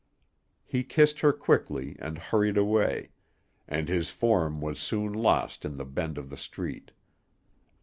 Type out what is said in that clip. He kissed her quickly and hurried away, and his form was soon lost in the bend of the street.